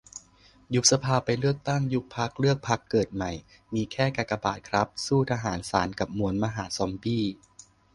ยุบสภา ไปเลือกตั้ง. ยุบพรรค เลือกพรรคเกิดใหม่. มีแค่กากบาทครับ สู้ทหาร ศาล กับมวลมหาซอมบี้